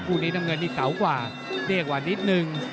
คู่นี้น้ำเงินนี่เก่ากว่าเดี้ยกว่านิดนึง